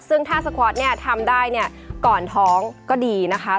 ซึ่งถ้าสก๊อตเนี่ยทำได้เนี่ยก่อนท้องก็ดีนะคะ